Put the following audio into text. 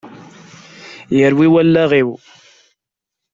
Yerwi wallaɣ-iw!